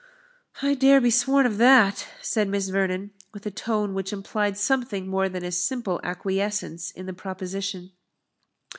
"I dare be sworn of that," said Miss Vernon, with a tone which implied something more than a simple acquiescence in the proposition.